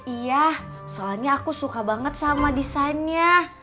iya soalnya aku suka banget sama desainnya